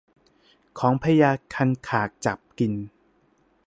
ของพญาคันคากจับกิน